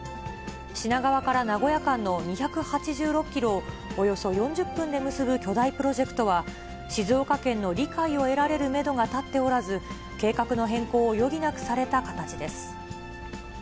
品川から名古屋間の２８６キロを、およそ４０分で結ぶ巨大プロジェクトは、静岡県の理解を得られるメドが立っておらず、計画の変更を余儀なくされた形です。